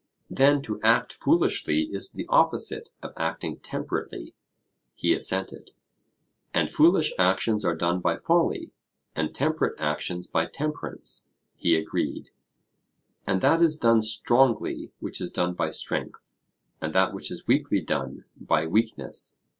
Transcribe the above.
Then to act foolishly is the opposite of acting temperately? He assented. And foolish actions are done by folly, and temperate actions by temperance? He agreed. And that is done strongly which is done by strength, and that which is weakly done, by weakness?